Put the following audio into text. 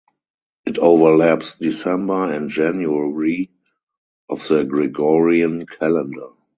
It overlaps December and January of the Gregorian calendar.